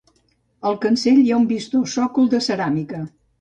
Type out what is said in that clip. Al cancell hi ha un vistós sòcol de ceràmica.